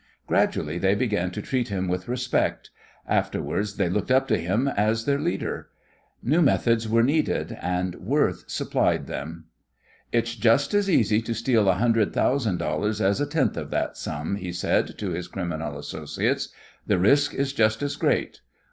Gradually they began to treat him with respect; afterwards they looked up to him as their leader. New methods were needed, and Worth supplied them. "It's just as easy to steal a hundred thousand dollars as a tenth of that sum," he said to his criminal associates. "The risk is just as great.